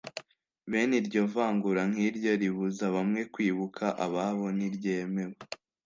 Bene iryo vangura nk'iryo ribuza bamwe kwibuka ababo ntiryemewe